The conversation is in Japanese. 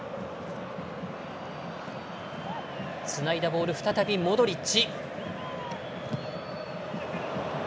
つないだボール再びモドリッチ。